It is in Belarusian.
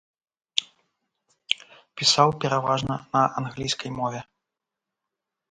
Пісаў пераважна на англійскай мове.